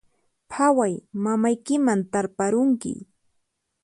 Phaway, mamaykiman tarparunki